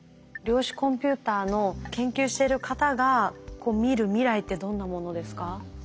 量子コンピューターの研究してる方が見る未来ってどんなものですか？